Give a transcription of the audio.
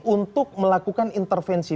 untuk melakukan intervensi